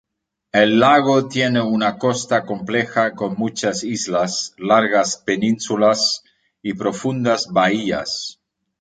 El lago tiene una costa compleja con muchas islas, largas penínsulas y profundas bahías.